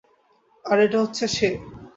আর এটা হচ্ছে সে।